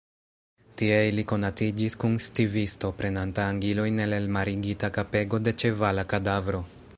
Tie ili konatiĝis kun stivisto, prenanta angilojn el elmarigita kapego de ĉevala kadavro.